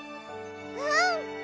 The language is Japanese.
うん！